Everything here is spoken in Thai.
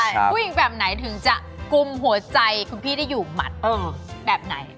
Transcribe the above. ผู้หญิงแบบไหนถึงจะกุมหัวใจคุณพี่ได้อยู่หมัดแบบไหน